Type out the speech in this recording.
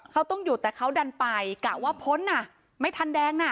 เขาต้องหยุดแต่เขาดันไปกะว่าพ้นอ่ะไม่ทันแดงน่ะ